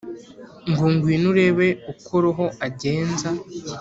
ngo ngwino urebe uko roho agenza